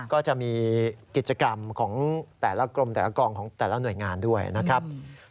ก็จะมีกิจกรรมของแต่ละกรมแต่ละกองของแต่ละหน่วยงานด้วยนะครับ